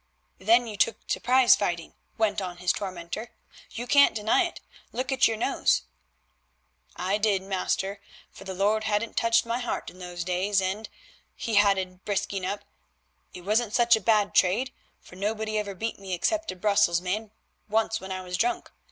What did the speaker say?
"Then you took to prize fighting," went on his tormentor; "you can't deny it; look at your nose." "I did, master, for the Lord hadn't touched my heart in those days, and," he added, brisking up, "it wasn't such a bad trade, for nobody ever beat me except a Brussels man once when I was drunk.